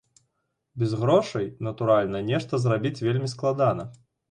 Без грошай, натуральна, нешта зрабіць вельмі складана.